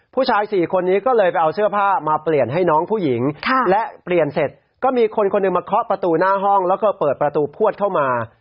ผู้ชาย๔คนนี้ก็เลยไปเอาเสื้อผ้ามาเปลี่ยนให้น้องผู้หญิงและเปลี่ยนเสร็จก็มีคนคนหนึ่งมาเคาะประตูหน้าห้องแล้วก็เปิดประตูพวดเข้ามา